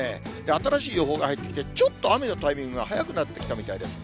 新しい情報が入ってきて、ちょっと雨のタイミングが早くなってきたみたいです。